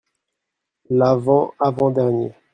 L’avant-avant-dernier.